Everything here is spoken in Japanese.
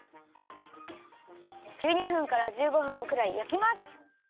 １２分から１５分くらいやきます。